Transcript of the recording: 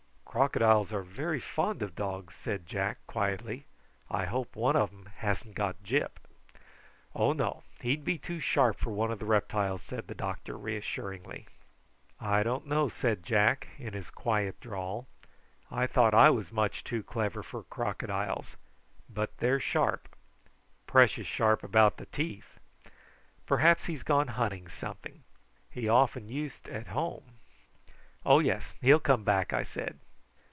"Crocodiles are very fond of dogs," said Jack quietly. "I hope one of 'em hasn't got Gyp." "Oh, no! he'd be too sharp for one of the reptiles," said the doctor reassuringly. "I don't know," said Jack in his quiet drawl. "I thought I was much too clever for crocodiles; but they're sharp precious sharp about the teeth. Perhaps he's gone hunting something. He often used at home." "Oh, yes; he'll come back," I said.